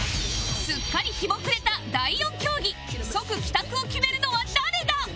すっかり日も暮れた第４競技即帰宅を決めるのは誰だ？